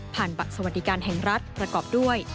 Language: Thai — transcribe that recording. บัตรสวัสดิการแห่งรัฐประกอบด้วย